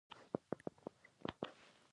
دا وېره د پرمختګ لامل ګرځي.